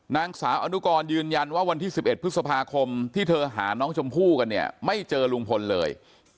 นางสาวอนุกรยืนยันว่าวันที่๑๑พฤษภาคมที่เธอหาน้องชมพู่กันเนี่ยไม่เจอลุงพลเลย